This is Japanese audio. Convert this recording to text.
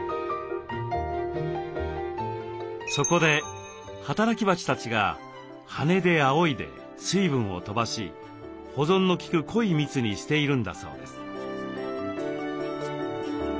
そこで働き蜂たちが羽であおいで水分を飛ばし保存のきく濃い蜜にしているんだそうです。